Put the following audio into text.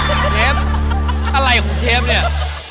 คุณเชฟอะไรของเชฟเนี่ย